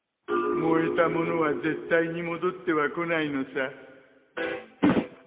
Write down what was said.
燃えた物は絶対に戻ってはこないのさ